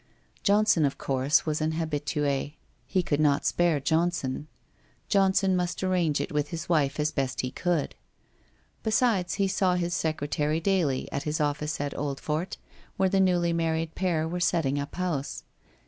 Johnson, of course, was an habitue; he could not spare Johnson; Johnson must arrange it with his wife as best he could. Besides, he saw his secretary daily at his office at Oldfort, where the newly married pair were setting up house.